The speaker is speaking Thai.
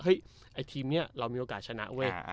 เฮ้ยไอ้ทีมเนี่ยเรามีโอกาสชนะเว้ย